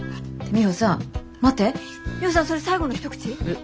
ミホさんそれ最後の一口？え？